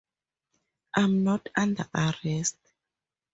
I'm not under arrest.